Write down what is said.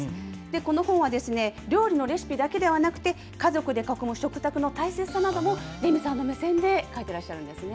この本は、料理のレシピだけではなくて、家族で囲む食卓の大切さなども、レミさんの目線で書いてらっしゃるんですね。